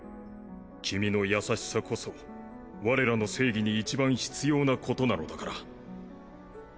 君の優しさこそ我らの正義にいちばん必要なことなのだから。